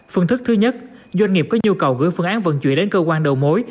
phương thức thứ nhất doanh nghiệp có nhu cầu gửi phương án vận chuyển đến cơ quan đầu mối